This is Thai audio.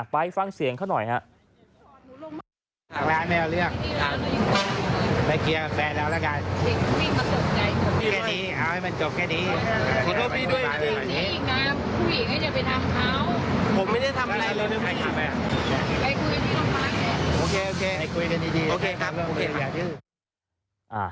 ไปฟังเสียงเข้าหน่อยฮะ